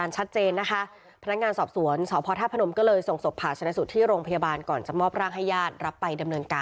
ช่วงนี้